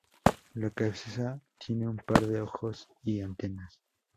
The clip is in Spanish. La cabeza tiene un par de ojos y antenas.